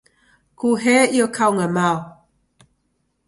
Kuhee iyo kaung'a Mao!